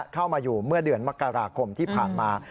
เข้ามาอยู่เมื่อเดือนมกราคมที่ผ่านมา